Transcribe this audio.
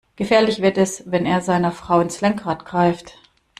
Gefährlich wird es, wenn er seiner Frau ins Lenkrad greift.